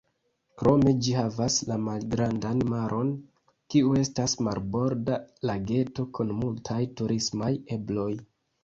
Krome ĝi havas la Malgrandan Maron, kiu estas marborda lageto kun multaj turismaj ebloj.